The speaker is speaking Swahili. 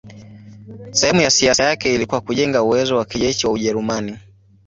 Sehemu ya siasa yake ilikuwa kujenga uwezo wa kijeshi wa Ujerumani.